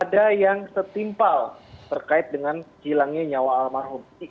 ada yang setimpal terkait dengan hilangnya nyawa almarhum